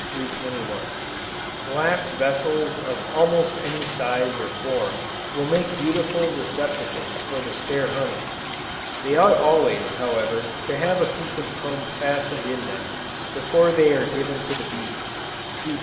Glass vessels of almost any size or form will make beautiful receptacles for the spare honey. They ought always, however, to have a piece of comb fastened in them, before they are given to the bees; (see p.